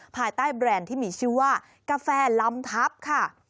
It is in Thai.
ภายใต้แบรนด์ที่มีชื่อว่ากาแฟลำทัพค่ะ